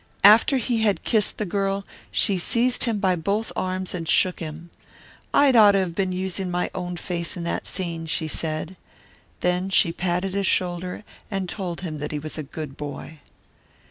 After he had kissed the girl, she seized him by both arms and shook him. "I'd ought to have been using my own face in that scene," she said. Then she patted his shoulder and told him that he was a good boy.